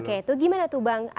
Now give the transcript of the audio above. oke itu gimana tuh bang